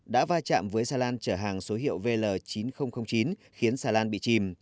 đã va chạm với xà lan chở hàng số hiệu vl chín nghìn chín khiến xà lan bị chìm